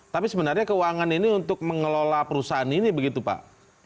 tapi sebenarnya keuangan ini untuk mengelola perusahaan ini begitu pak